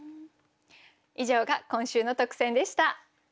以上が今週の特選でした。